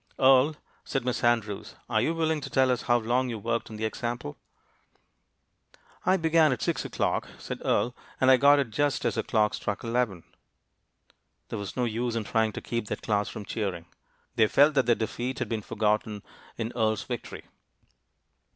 "Earle," said Miss Andrews, "are you willing to tell us how long you worked on the example?" "I began it at six o'clock," said Earle, "and I got it just as the clock struck eleven." There was no use in trying to keep that class from cheering. They felt that their defeat had been forgotten in Earle's victory.